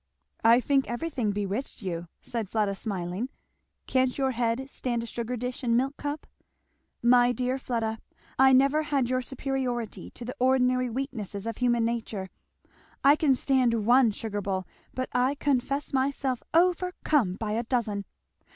"I think everything bewitched you," said Fleda smiling. "Can't your head stand a sugar dish and milk cup?" "My dear Fleda, I never had your superiority to the ordinary weaknesses of human nature I can stand one sugar bowl, but I confess myself overcome by a dozen.